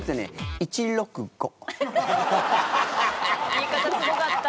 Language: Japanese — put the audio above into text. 言い方すごかった。